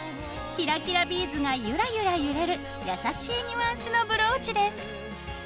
キラキラビーズがゆらゆら揺れる優しいニュアンスのブローチです。